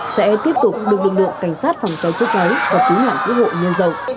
sẽ tiếp tục được lực lượng cảnh sát phòng chống chữa cháy và cứu nạn cứu hộ nhân dân